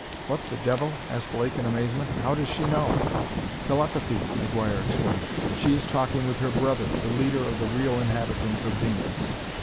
"What the devil?" asked Blake in amazement. "How does she know?" "Telepathy," McGuire explained: "she is talking with her brother, the leader of the real inhabitants of Venus."